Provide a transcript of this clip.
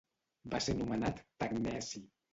Va ser anomenat tecneci.